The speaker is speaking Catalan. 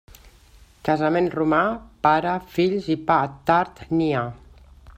Casament romà, pare, fills i pa tard n'hi ha.